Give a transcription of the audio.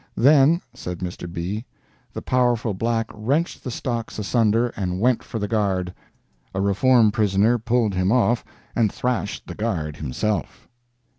"Then," said Mr. B., "'the powerful black wrenched the stocks asunder and went for the guard; a Reform prisoner pulled him off, and thrashed the guard himself."